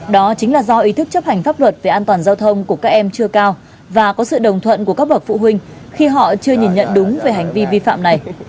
đó chính là do ý thức chấp hành pháp luật về an toàn giao thông của các em chưa cao và có sự đồng thuận của các bậc phụ huynh khi họ chưa nhìn nhận đúng về hành vi vi phạm này